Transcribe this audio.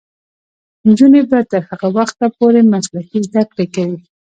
نجونې به تر هغه وخته پورې مسلکي زدکړې کوي.